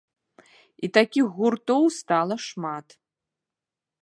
І такіх гуртоў стала шмат.